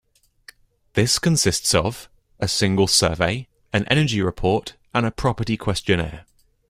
This consists of: a Single Survey, an Energy Report and a Property Questionnaire.